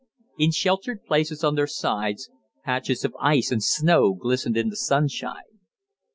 In sheltered places on their sides, patches of ice and snow glistened in the sunshine.